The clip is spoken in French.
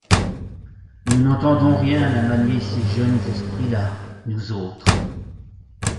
Nous n’entendons rien à manier ces jeunes esprits-là, nous autres…